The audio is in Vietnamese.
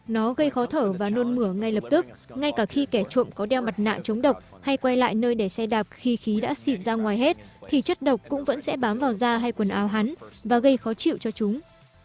nó gây khó thở và nôn mửa ngay lập tức ngay cả khi kẻ trộm có đeo mặt nạ chống độc hay quay lại nơi để xe đạp khi khí đã xịt ra ngoài hết thì chất độc cũng vẫn sẽ bám vào da hay quần áo hắn và gây khó chịu cho chúng